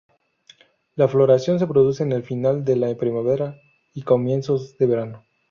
La floración se produce en el final de la primavera y comienzos de verano.